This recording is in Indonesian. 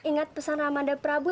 ingat pesan ramadhan prabu